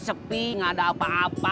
sepi gak ada apa apa